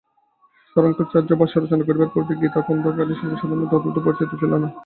শঙ্করাচার্য ভাষ্য রচনা করিবার পূর্বে গীতা-গ্রন্থখানি সর্বসাধারণে ততদূর পরিচিত ছিল না।